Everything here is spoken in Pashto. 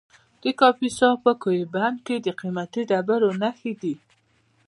د کاپیسا په کوه بند کې د قیمتي ډبرو نښې دي.